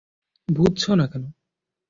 বুঝছো না কেন?